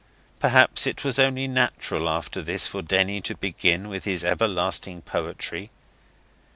Perhaps it was only natural after this for Denny to begin with his everlasting poetry.